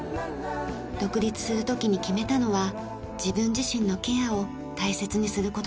独立する時に決めたのは自分自身のケアを大切にする事でした。